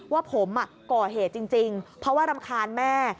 ว่าผมก่อเหตุจริงเพราะว่ารำคาญแม่